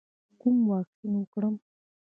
کوم واکسین وکړم؟